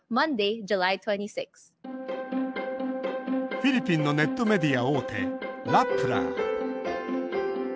フィリピンのネットメディア大手ＲＡＰＰＬＥＲ。